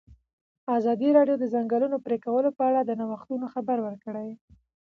ازادي راډیو د د ځنګلونو پرېکول په اړه د نوښتونو خبر ورکړی.